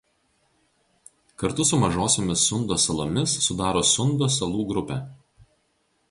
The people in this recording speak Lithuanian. Kartu su Mažosiomis Sundos salomis sudaro Sundos salų grupę.